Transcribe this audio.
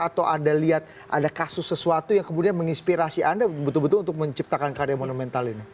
atau anda lihat ada kasus sesuatu yang kemudian menginspirasi anda betul betul untuk menciptakan karya monumental ini